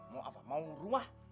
mau apa mau rumah